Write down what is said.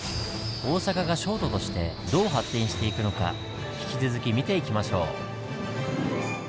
大阪が商都としてどう発展していくのか引き続き見ていきましょう。